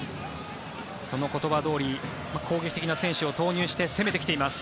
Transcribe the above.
その言葉どおり攻撃的な選手を投入して攻めてきています。